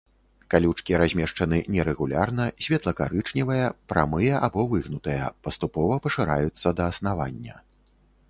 Калючкі размешчаны нерэгулярна, светла-карычневыя, прамыя або выгнутыя, паступова пашыраюцца да аснавання.